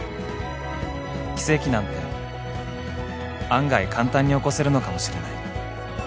［奇跡なんて案外簡単に起こせるのかもしれない］